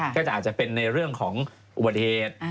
ก็จะอาจจะเป็นในเรื่องของอุบัติเหตุ